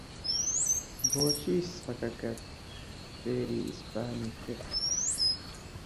بۆچی سەگەکەت فێری ئیسپانی کرد؟